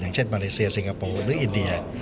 เช่นมาเลเซียสิงคโปร์หรืออินเดีย